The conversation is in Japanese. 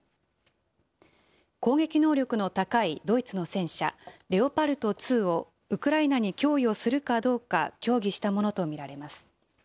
攻撃能力の高いドイツの戦車レオパルト２をウクライナに供与するかどうか協議したものと見られます。